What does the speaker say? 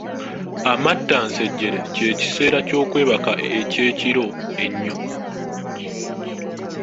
Amattansejjere ky'ekiseera ky’okwebaka eky’ekiro ennyo.